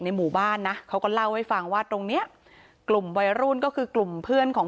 หมู่บ้านนะเขาก็เล่าให้ฟังว่าตรงเนี้ยกลุ่มวัยรุ่นก็คือกลุ่มเพื่อนของ